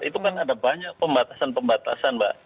itu kan ada banyak pembatasan pembatasan mbak